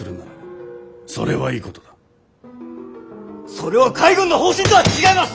それは海軍の方針とは違います！